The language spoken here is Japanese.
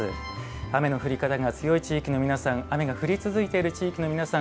雨の降り方が強い地域の皆さん雨が降り続いている地域の皆さん